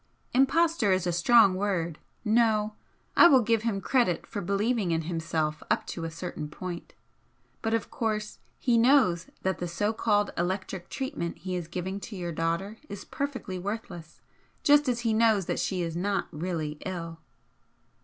"Impostor is a strong word! No! I will give him credit for believing in himself up to a certain point. But of course he knows that the so called 'electric' treatment he is giving to your daughter is perfectly worthless, just as he knows that she is not really ill."